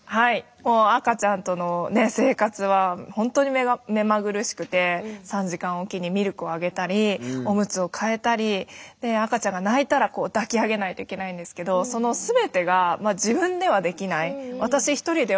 もう赤ちゃんとのね生活はほんとに目まぐるしくて３時間置きにミルクをあげたりおむつを替えたりで赤ちゃんが泣いたらこう抱き上げないといけないんですけどその全てが自分ではできない。